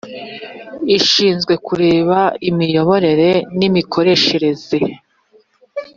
ishinzwe kureba imiyoborere n imikoreshereze